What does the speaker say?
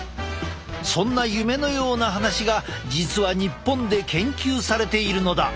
そんな夢のような話が実は日本で研究されているのだ！